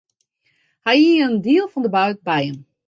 Hy hie in diel fan de bút by him.